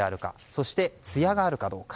そして、艶があるかどうか。